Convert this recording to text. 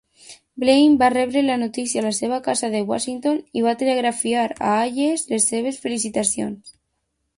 Blaine va rebre la notícia a la seva casa de Washington i va telegrafiar a Hayes les seves felicitacions.